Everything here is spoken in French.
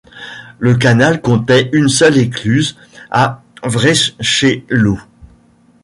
Le canal comptait une seule écluse, à Vriescheloo.